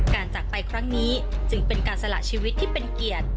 จากไปครั้งนี้จึงเป็นการสละชีวิตที่เป็นเกียรติ